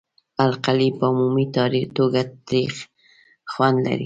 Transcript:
القلي په عمومي توګه تریخ خوند لري.